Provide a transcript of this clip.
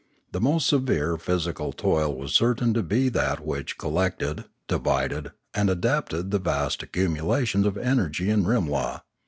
The most severe physical toil was certain to be that which collected, divided, and adapted the vast accumulation of energy in Rimla.